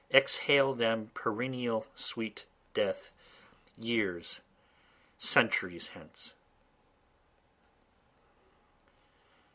Exhale them perennial sweet death, years, centuries hence.